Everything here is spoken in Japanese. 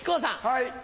はい。